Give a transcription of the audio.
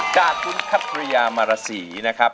จากคุณขัตเตอร์ยามราศีนะครับ